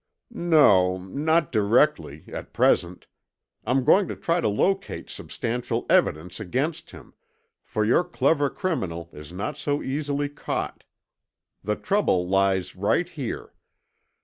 "No, not directly, at present. I'm going to try to locate substantial evidence against him, for your clever criminal is not so easily caught. The trouble lies right here.